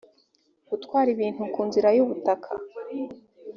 gutwara ibintu ku nzira y ubutaka